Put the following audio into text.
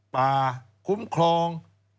ป่าคุ้มครอง